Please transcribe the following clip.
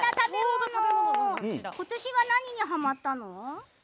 ことしは何にはまったの？